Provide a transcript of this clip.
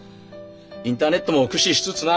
インターネットも駆使しつつな。